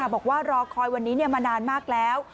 บอกว่ารอคอยวันนี้มานานมากแล้ว